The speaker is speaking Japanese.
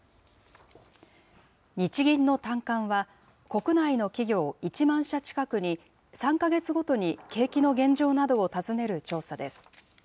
日銀の短観は、国内の企業１万社近くに、３か月ごとに景気の現状などを尋ねる調査です。